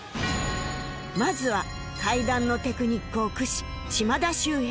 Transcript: まずは怪談のテクニックを駆使島田秀平